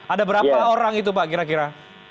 ada berapa orang itu pak kira kira